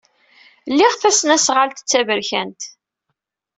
Liɣ tasnasɣalt d taberkant.